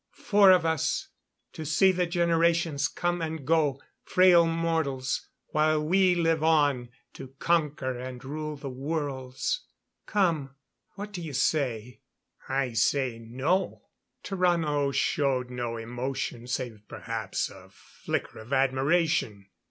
Four of us. To see the generations come and go frail mortals, while we live on to conquer and to rule the worlds.... Come, what do you say?" "I say no." Tarrano showed no emotion, save perhaps a flicker of admiration.